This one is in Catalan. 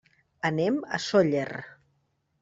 Anem a Sóller.